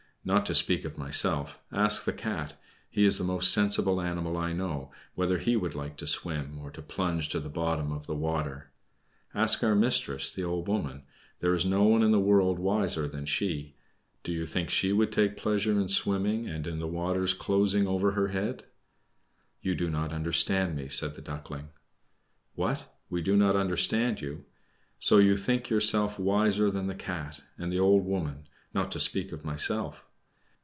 Not to speak of myself, ask the Cat he is the most sensible animal I know whether he would like to swim, or to plunge to the bottom of the water. Ask our mistress, the old woman there is no one in the world wiser than she. Do you think she would take pleasure in swimming and in the waters closing over her head?" "You do not understand me," said the Duckling. "What! we do not understand you? So you think yourself wiser than the Cat and the old woman, not to speak of myself?